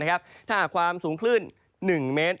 ถ้าหากความสูงคลื่น๑เมตร